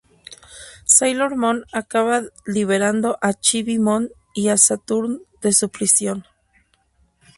Sailor Moon acaba liberando a Chibi Moon y a Saturn de su prisión.